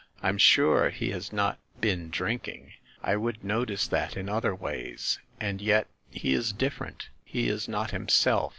I'm sure he has not been drinking; I would notice that in other ways. And yet he is different, he is not himself.